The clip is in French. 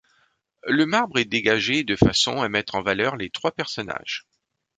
Le marbre est dégagé de façon à mettre en valeur les trois personnages.